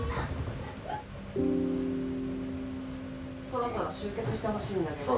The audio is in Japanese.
そろそろ終結してほしいんだけど。